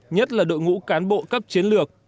nhất là đội ngũ cán bộ cấp chiến lược